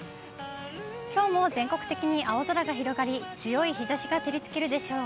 きょうも全国的に青空が広がり、強い日ざしが照りつけるでしょう。